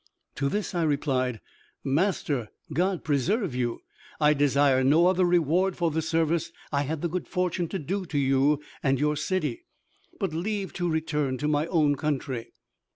To this I replied: "Master, God preserve you. I desire no other reward for the service I had the good fortune to do to you and your city but leave to return to my own country."